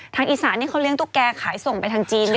ทางอีสานเขาเลี้ยงตุ๊กแกขายส่งไปทางจีน